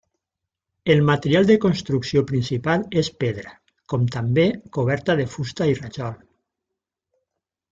El material de construcció principal és pedra; com també coberta de fusta i rajol.